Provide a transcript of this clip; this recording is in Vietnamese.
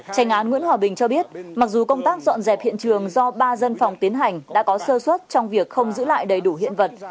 tranh án nguyễn hòa bình cho biết mặc dù công tác dọn dẹp hiện trường do ba dân phòng tiến hành đã có sơ xuất trong việc không giữ lại đầy đủ hiện vật